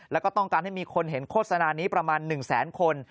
แล้วก็ต้องการให้มีคนเห็นโฆษณานี้ประมาณ๑แสนคน